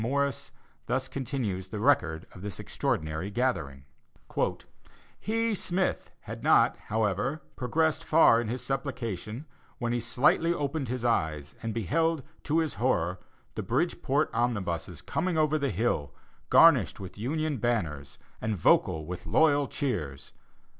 Morris, thus continues the record of this extraordinary gathering: "He (Smith) had not, however, progressed far in his supplication, when he slightly opened his eyes, and beheld, to his horror, the Bridgeport omnibuses coming over the hill, garnished with Union banners, and vocal with loyal cheers.